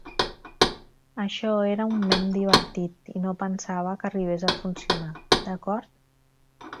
Això era un mem divertit, i no pensava que arribés a funcionar, d'acord?